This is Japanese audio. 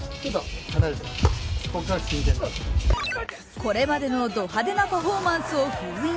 これまでのド派手なパフォーマンスを封印。